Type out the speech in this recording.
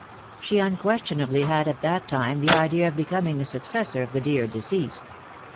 She unquestionably had at that time the idea of becoming the successor of the dear deceased.